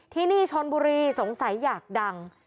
ที่นี่ชนบุรีสงสัยอยากดัง